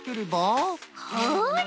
ほら！